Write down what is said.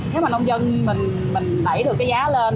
nếu mà nông dân mình đẩy được cái giá lên